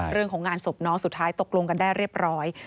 เรื่องของงานศพน้องสุดท้ายตกลงกันได้เรียบร้อย